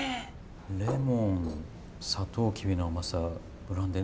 レモンサトウキビの甘さブランデー